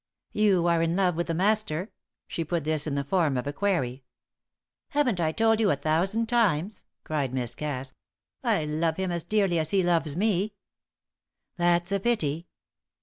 "You are in love with the Master?" She put this in the form of a query. "Haven't I told you a thousand times!" cried Miss Cass. "I love him as dearly as he loves me." "That's a pity."